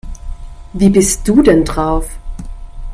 Wie bist du denn drauf?